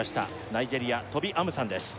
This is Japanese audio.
ナイジェリアトビ・アムサンです